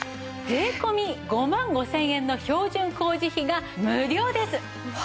税込５万５０００円の標準工事費が無料です。